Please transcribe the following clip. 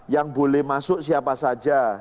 yang boleh masuk siapa saja